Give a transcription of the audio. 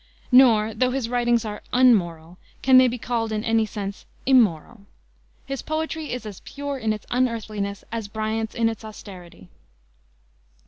Nor, though his writings are _un_moral, can they be called in any sense _im_moral. His poetry is as pure in its unearthliness as Bryant's in its austerity.